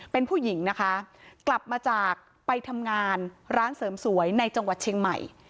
เป็นผู้หญิงนะคะกลับมาจากไปทำงานร้านเสริมสวยในจังหวัดเชียงใหม่